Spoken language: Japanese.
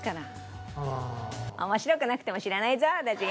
面白くなくても知らないぞ私。